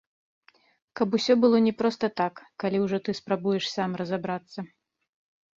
Каб усё было не проста так, калі ўжо ты спрабуеш сам разабрацца.